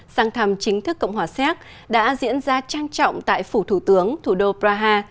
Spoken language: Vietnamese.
sang thăm chính thức cộng hòa xéc đã diễn ra trang trọng tại phủ thủ tướng thủ đô praha